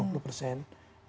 dan juga penjara kita penuh